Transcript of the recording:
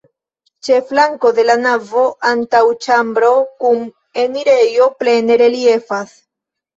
Ĉe flanko de la navo antaŭĉambro kun enirejo plene reliefas.